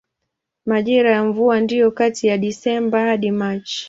Majira ya mvua ndiyo kati ya Desemba hadi Machi.